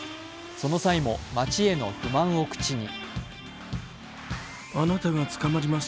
その際も、町への不満を口に。